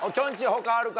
他あるか？